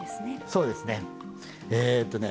そうですね。